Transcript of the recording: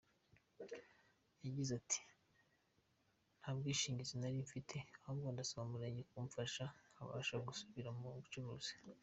Yagize ati “Nta bwishingizi nari mfite ahubwo ndasaba umurenge kumfasha nkabasha gusubira mu bucuruzi.